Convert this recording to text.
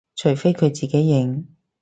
除非佢自己認